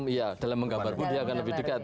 iya dalam menggambar pun dia akan lebih dekat